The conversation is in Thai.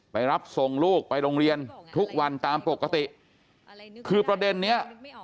รับส่งลูกไปโรงเรียนทุกวันตามปกติคือประเด็นเนี้ย